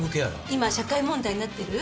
今社会問題になってる？